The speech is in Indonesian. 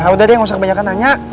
udah deh gak usah banyak nanya